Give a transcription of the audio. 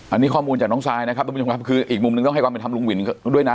อันนี้ข้อมูลจากน้องซายนะครับคืออีกมุมนึงต้องให้ความเป็นธรรมลุงหวินด้วยนะ